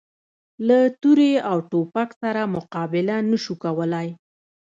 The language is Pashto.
له تورې او توپک سره مقابله نه شو کولای.